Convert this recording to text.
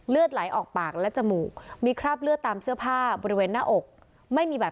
เลือกไหลออกปากและจมูกมีคราบเลือดตามเสื้อผ้าบนบนหน้าอก